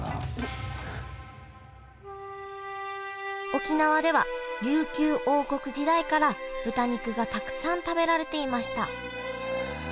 沖縄では琉球王国時代から豚肉がたくさん食べられていました。